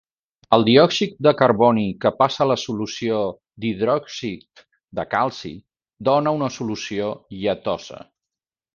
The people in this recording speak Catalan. El diòxid de carboni que passa a la solució d'hidròxid de calci dóna una solució lletosa.